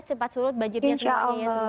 cepat surut banjirnya semuanya ya